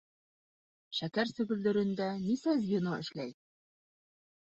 Шәкәр сөгөлдөрөндә нисә звено эшләй?